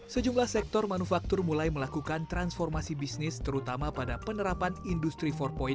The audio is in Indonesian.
sejumlah sektor manufaktur mulai melakukan transformasi bisnis terutama pada penerapan industri empat